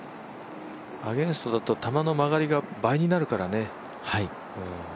アゲンストだと球の返りが倍になりますからね。